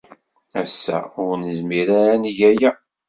Ass-a, ur nezmir ara ad neg aya.